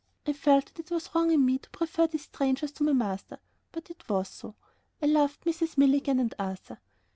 I felt that it was wrong for me to prefer these strangers to my master, but it was so. I loved Mrs. Milligan and Arthur.